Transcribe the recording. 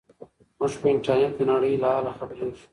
موږ په انټرنیټ کې د نړۍ له حاله خبریږو.